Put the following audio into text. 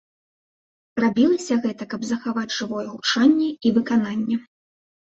Рабілася гэта, каб захаваць жывое гучанне і выкананне.